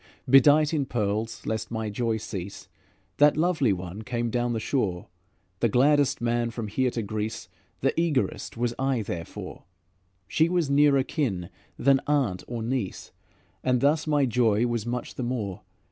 Bedight in pearls, lest my joy cease, That lovely one came down the shore; The gladdest man from here to Greece, The eagerest, was I, therefore; She was nearer kin than aunt or niece, And thus my joy was much the more.